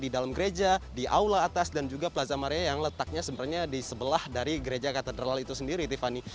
dan juga plaza maria yang letaknya sebenarnya di sebelah dari gereja katedral itu sendiri tiffany